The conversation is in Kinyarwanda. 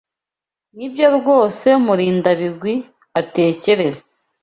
Nibyo rwose Murindabigwi atekereza.